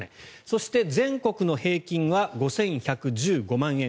そして全国の平均は５１１５万円。